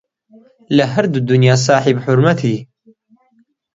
لە هەردوو دونیا ساحێب حورمەتی